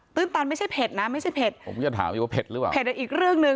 ตื้นตันไม่ใช่เผ็ดนะไม่ใช่เผ็ดเผ็ดอีกเรื่องนึง